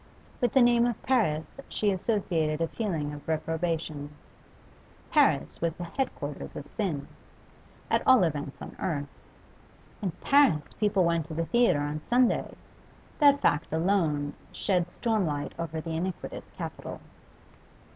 With the name of Paris she associated a feeling of reprobation; Paris was the head quarters of sin at all events on earth. In Paris people went to the theatre on Sunday; that fact alone shed storm light over the iniquitous capital.